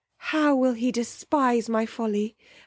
how will he despise my folly!